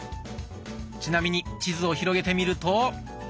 ちなみに地図を広げてみると。